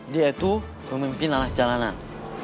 dia itu pemimpin anak jalanan